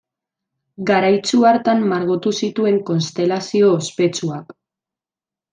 Garaitsu hartan margotu zituen Konstelazio ospetsuak.